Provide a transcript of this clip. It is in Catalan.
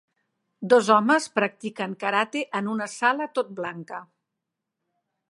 Dos homes practiquen karate en una sala tot blanca.